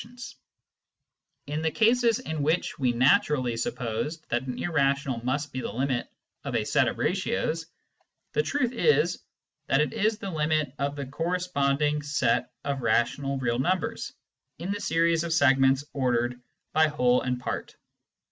Rational, Real, and Complex Numbers 73 In the cases in which we naturally supposed that an irrational must be the limit of a set of ratios, the truth is that it is the limit of the corresponding set of rational real numbers in the series of segments ordered by whole and part.